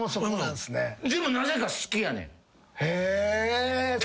でもなぜか好きやねん。